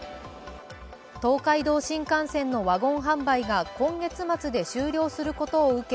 東海道新幹線のワゴン販売が今月末で終了することを受け